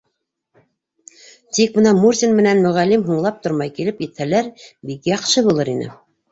Тик бына Мурзин менән Мөғәллим һуңлап тормай килеп етһәләр, бик яҡшы булыр ине.